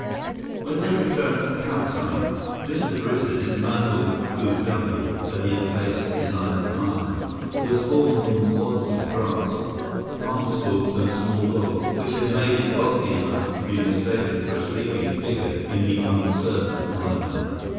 When they returned to the campsite, Mr. Brewster dismantled the crude dummy that he had placed beside the fire. It was formed from wads of grass, palm stalks, and small logs, which had made it bulky enough to be mistaken for a sleeping figure in the uncertain firelight.